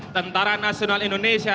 tentara nasional indonesia